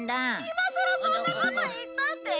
「今さらそんなこと言ったって」